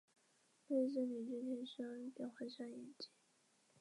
原待避线用地改建为收费自行车停车场与往剪票口层的电梯等设施。